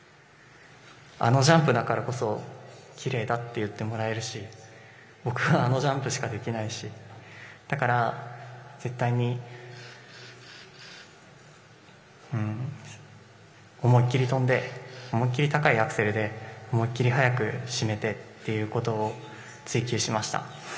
あのジャンプだからこそきれいだと言ってもらえるし僕はあのジャンプしかできないしだから絶対に思い切り跳んで思い切り高いアクセルで思い切り速くしめてということを追求しました。